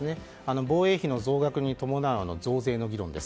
防衛費の増額に伴う増税の議論です。